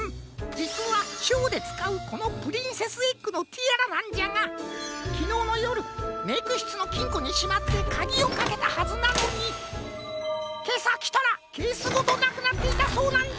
じつはショーでつかうこのプリンセスエッグのティアラなんじゃがきのうのよるメイクしつのきんこにしまってかぎをかけたはずなのにけさきたらケースごとなくなっていたそうなんじゃ。